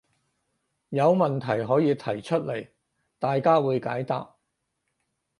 有問題可以提出來，大家會解答